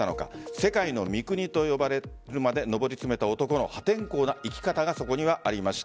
世界の三國と呼ばれるまで上り詰めた男の破天荒な生き方がそこにはありました。